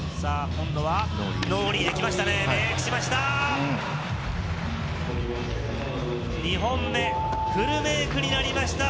今度はノーリーできましたね。